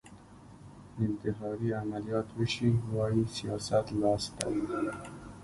انتحاري عملیات وشي وايي سیاست لاس دی